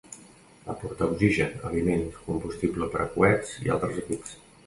Va portar oxigen, aliments, combustible per a coets i altres equips.